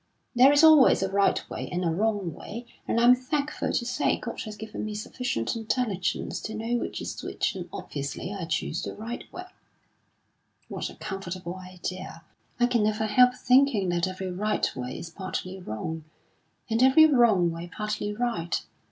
"There is always a right way and a wrong way, and, I'm thankful to say, God has given me sufficient intelligence to know which is which; and obviously I choose the right way." "What a comfortable idea! I can never help thinking that every right way is partly wrong, and every wrong way partly right.